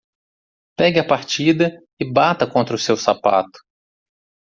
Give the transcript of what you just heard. Pegue a partida e bata contra o seu sapato.